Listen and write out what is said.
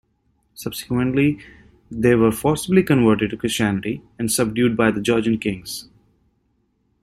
Subsequently, they were forcibly converted to Christianity and subdued by the Georgian kings.